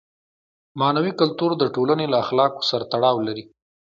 معنوي کلتور د ټولنې له اخلاقو سره تړاو لري.